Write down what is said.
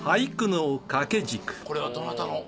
これはどなたの？